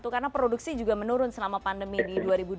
karena produksi juga menurun selama pandemi di dua ribu dua puluh